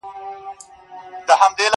يو شاعر لکه قلم درپسې ژاړي_